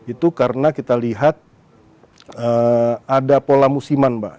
itu karena kita lihat ada pola musiman mbak